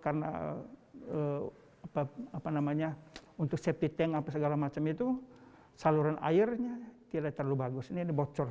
karena apa namanya untuk septic tank apa segala macam itu saluran airnya tidak terlalu bagus ini bocor